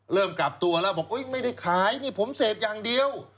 เริ่มกลับตัวแล้วบอกไม่ได้ขายนี่ผมเสพอย่างเดียว